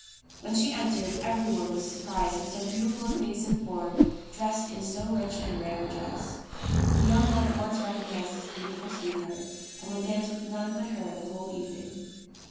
When she entered every one was surprised at so beautiful a face and form dressed in so rich and rare a dress ; but the young lord at once recognized his beautiful sweetheart, and would dance with none but her the whole evening.